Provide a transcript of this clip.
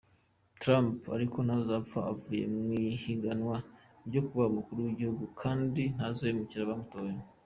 Trump ariko ntazopfa avuye mw’ihiganwa ryo kuba umukuru w’igihugu, kandi ntazohemukira abamutoye.